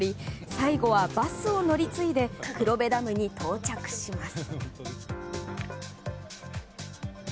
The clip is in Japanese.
最後はバスを乗り継いで黒部ダムに到着します。